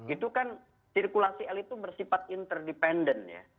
itu kan sirkulasi elit itu bersifat interdependen ya